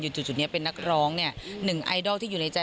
จุดนี้เป็นนักร้องเนี่ยหนึ่งไอดอลที่อยู่ในใจ